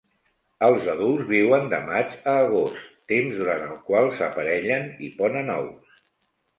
Els adults viuen de maig a agost, temps durant el qual s'aparellen i ponen ous.